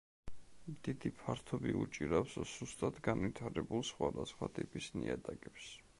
დიდი ფართობი უჭირავს სუსტად განვითარებულ სხვადასხვა ტიპის ნიადაგებს.